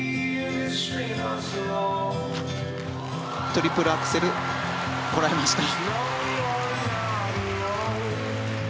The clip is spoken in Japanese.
トリプルアクセルこらえました。